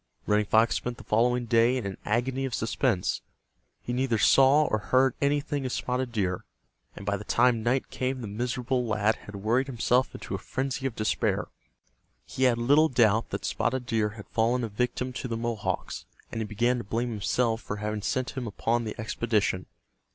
Running Fox spent the following day in an agony of suspense. He neither saw or heard anything of Spotted Deer, and by the time night came the miserable lad had worried himself into a frenzy of despair. He had little doubt that Spotted Deer had fallen a victim to the Mohawks, and he began to blame himself for having sent him upon the expedition.